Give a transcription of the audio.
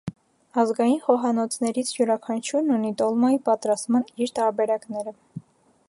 Ազգային խոհանոցներից յուրաքանչյուրն ունի տոլմայի պատրաստման իր տարբերակները։